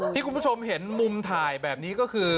ที่คุณผู้ชมเห็นมุมถ่ายแบบนี้ก็คือ